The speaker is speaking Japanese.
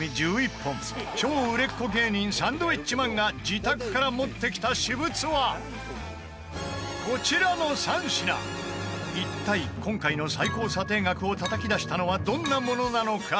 本超売れっ子芸人サンドウィッチマンが自宅から持ってきた私物はこちらの３品一体、今回の最高査定額をたたき出したのはどんなものなのか？